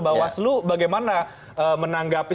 bapak waslu bagaimana menanggapi